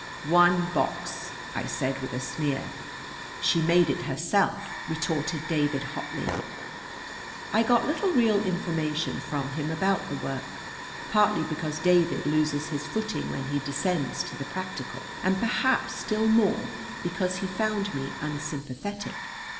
"One box!" I said with a sneer. "She made it herself," retorted David hotly. I got little real information from him about the work, partly because David loses his footing when he descends to the practical, and perhaps still more because he found me unsympathetic.